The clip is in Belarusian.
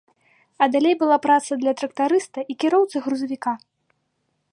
А далей была праца для трактарыста і кіроўцы грузавіка.